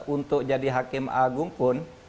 untuk jadi hakim agung pun